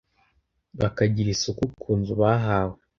bakagira isuku ku nzu bahawe